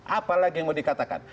apa lagi yang mau dikatakan